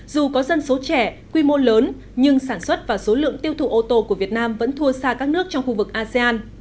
dù có dân số trẻ quy mô lớn nhưng sản xuất và số lượng tiêu thụ ô tô của việt nam vẫn thua xa các nước trong khu vực asean